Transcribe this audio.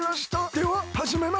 でははじめます。